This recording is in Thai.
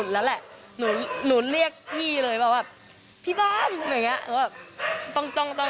เขาเคยฆ่าคนมาสองคน